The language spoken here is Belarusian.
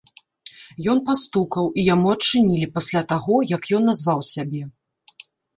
Ён пастукаў, і яму адчынілі пасля таго, як ён назваў сябе.